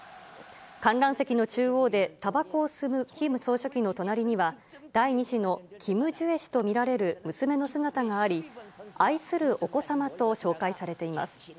観覧席の中央でたばこを吸うキム総書記の隣には、第２子のキム・ジュエ氏と見られる娘の姿があり、愛するお子様と紹介されています。